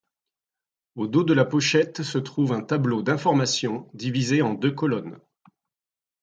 Au dos de la pochette se trouve un tableau d’informations divisé en deux colonnes.